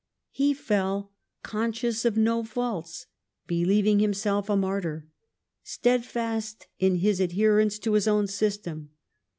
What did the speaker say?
He fell, conscious of no faults, believing himself a martyr, steadfast in his adherence to his own system.